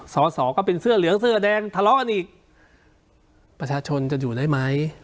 สอสอก็เป็นเสื้อเหลืองเสื้อแดงทะเลาะกันอีกประชาชนจะอยู่ได้ไหม